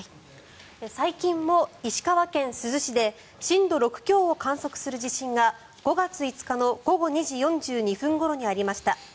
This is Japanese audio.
最近も石川県珠洲市で震度６強を観測する地震が５月５日の午後２時４２分ごろにありました。